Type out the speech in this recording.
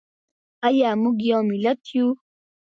ایا موږ یو ملت یو؟